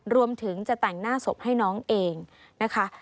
รวมถึงจะแต่งหน้าศพให้น้องเองนะคะ